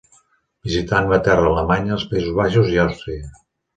Visità Anglaterra, Alemanya, els Països Baixos i Àustria.